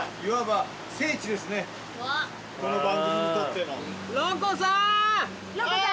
この番組にとっての。